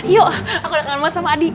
yuk aku udah kangen banget sama adi